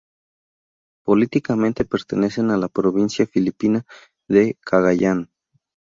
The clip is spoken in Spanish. Políticamente pertenecen a la provincia filipina de Cagayán.